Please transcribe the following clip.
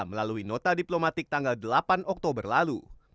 melalui nota diplomatik tanggal delapan oktober lalu